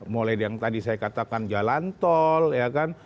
mulai dari yang tadi saya katakan jalantol ya kan